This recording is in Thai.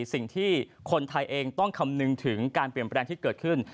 สิ่งที่คนไทยเองต้องคำนึงถึงการเปลี่ยนแปลงที่เกิดขึ้น